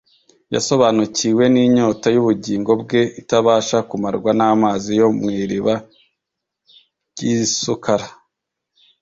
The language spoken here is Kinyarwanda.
Yasobanukiwe n’inyota y’ubugingo bwe, itabasha kumarwa n’amazi yo mw’iriba ry’i Sukara